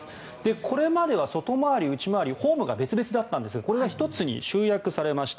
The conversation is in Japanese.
これまでは外回り、内回りホームが別々だったんですがこれが１つに集約されました。